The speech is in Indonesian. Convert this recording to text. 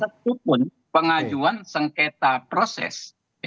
tidak ada satupun pengajuan sengketa proses